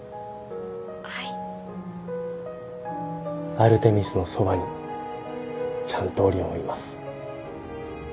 アルテミスのそばにちゃんとオリオンはいます。